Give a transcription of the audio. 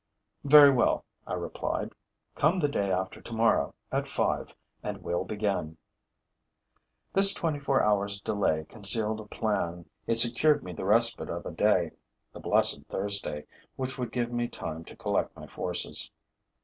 'Very well,' I replied. 'Come the day after tomorrow, at five, and we'll begin.' This twenty four hours' delay concealed a plan. It secured me the respite of a day, the blessed Thursday, which would give me time to collect my forces.